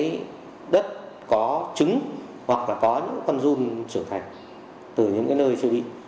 cái đất có trứng hoặc là có những con run trưởng thành từ những cái nơi chưa đi